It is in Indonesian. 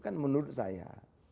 kan menurut saya